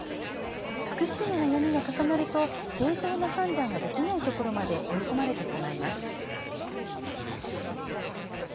複数の悩みが重なると正常な判断ができないところまで追い込まれてしまいます。